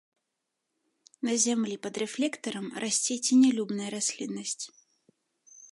На зямлі пад рэфлектарам расце ценялюбная расліннасць.